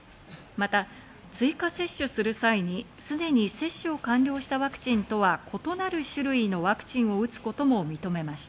また追加接種する際にすでに接種を完了したワクチンとは異なる種類のワクチンを打つことも認めました。